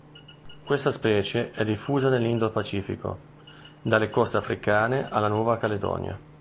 Questa specie è diffusa nell'Indo-Pacifico, dalle coste africane alla Nuova Caledonia.